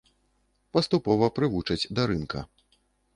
Паступова прывучаць да рынка.